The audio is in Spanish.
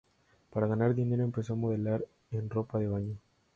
Para ganar dinero empezó a modelar en ropa de baño.